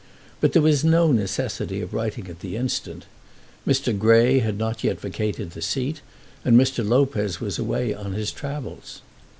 But there was no necessity of writing at the instant. Mr. Grey had not yet vacated the seat, and Mr. Lopez was away on his travels.